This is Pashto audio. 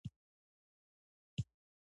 پلار ته مې وایه چې مور ته مې درمل راوړي.